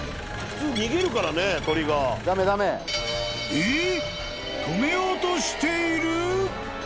［えっ！？］